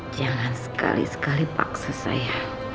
jangan sekali sekali paksa saya